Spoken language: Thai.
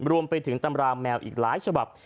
รวมไปถึงตำราแมวอีกหลายฉบับ